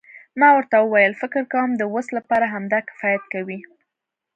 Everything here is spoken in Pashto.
ما ورته وویل فکر کوم د اوس لپاره همدا کفایت کوي.